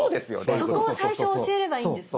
そこを最初教えればいいんですね。